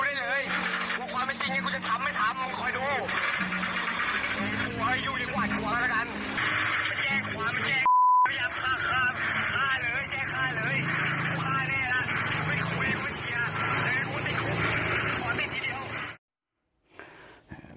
มันฆ่าได้แล้วไม่คุยไม่เชียร์ไม่รู้ว่าติดคุมพอไม่ทีเดียว